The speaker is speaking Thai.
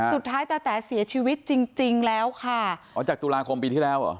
ตาแต๋เสียชีวิตจริงจริงแล้วค่ะอ๋อจากตุลาคมปีที่แล้วเหรอ